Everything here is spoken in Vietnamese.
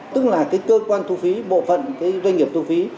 tức là cái cơ quan thu phí bộ phận cái doanh nghiệp thu phí